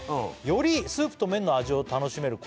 「よりスープと麺の味を楽しめる」